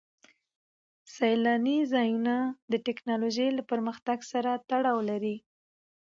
سیلاني ځایونه د تکنالوژۍ له پرمختګ سره تړاو لري.